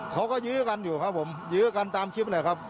เขาก็ยื้อกันอยู่ยื้อกันตามคลิปเนี่ยครับ